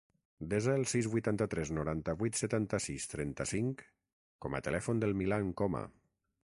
Desa el sis, vuitanta-tres, noranta-vuit, setanta-sis, trenta-cinc com a telèfon del Milan Coma.